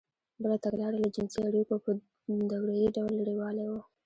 بله تګلاره له جنسـي اړیکو په دورهیي ډول لرېوالی و.